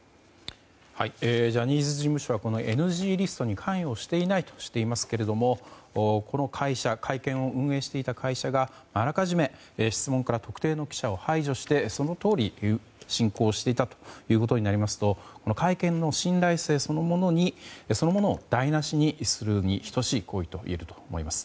ジャニーズ事務所はこのＮＧリストに関与していないとしていますがこの会社会見を運営していた会社があらかじめ質問から特定の記者を排除してそのとおり進行していたということになりますと会見の信頼性そのものを台無しにするに等しい行為と言えると思います。